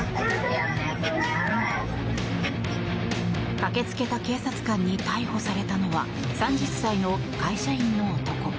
駆け付けた警察官に逮捕されたのは３０歳の会社員の男。